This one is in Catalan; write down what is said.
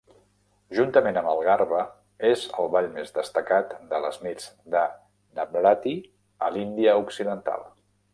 Juntament amb el garba, és el ball més destacat de les nits de Navratri a l'Índia occidental.